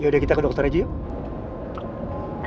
yaudah kita ke dokter aja yuk